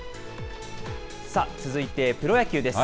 さあ、続いてプロ野球です。